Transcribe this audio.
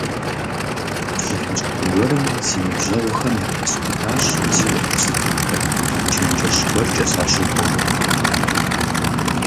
Пщыхьэщхьэ гуэрым си ныбжьэгъухэм яхуэсӀуэтащ си Ӏуэху зытетыр, чэнджэщ гуэркӀэ сащыгугъыу.